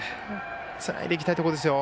つないでいきたいところですよ。